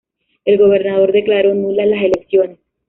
El gobernador declaró nulas las elecciones.